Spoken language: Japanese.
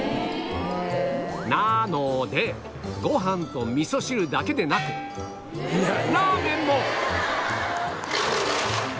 なのでご飯と味噌汁だけでなくラーメンも！